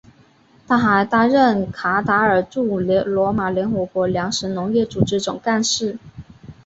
他还担任卡塔尔驻罗马联合国粮食农业组织总干事。